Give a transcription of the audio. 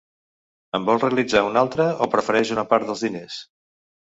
En vol realitzar una altra o prefereix una part dels diners?